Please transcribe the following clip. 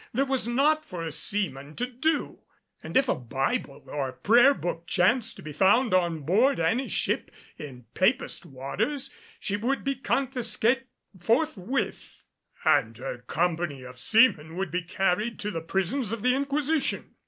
There was naught for a seaman to do; and if a Bible or prayer book chanced to be found on board any ship in Papist waters, she would be confiscate forthwith and her company of seamen would be carried to the prisons of the Inquisition.